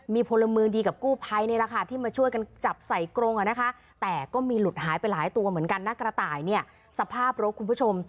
มีพลเมืองดีกับกู้ภัยนี่แหละค่ะที่มาช่วยกันจับใส่กรงอ่ะนะคะแต่ก็มีหลุดหายไปหลายตัวเหมือนกันนะกระต่ายเนี่ยสภาพรถคุณผู้ชม